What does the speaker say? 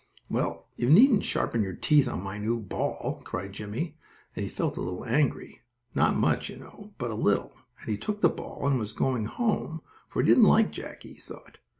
"Well, you needn't sharpen your teeth on my new ball!" cried Jimmie, and he felt a little angry; not much, you know, but a little and he took the ball and was going home, for he didn't like Jackie, he thought.